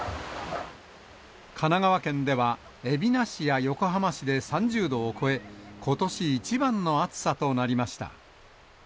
神奈川県では、海老名市や横浜市で３０度を超え、ことし一番の暑さとなりました。